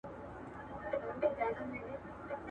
ما دي د میني سوداګر له کوڅې وشړله.